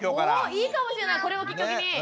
いいかもしれないこれをきっかけに。